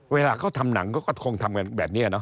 เวลาเขาทำหนังเขาก็คงทำกันแบบนี้เนอ